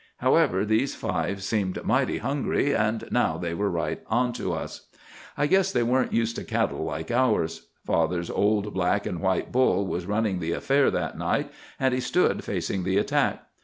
However, these five seemed mighty hungry, and now they were right onto us. "I guess they weren't used to cattle like ours. Father's old black and white bull was running the affair that night, and he stood facing the attack.